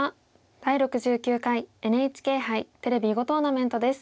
「第６９回ＮＨＫ杯テレビ囲碁トーナメント」です。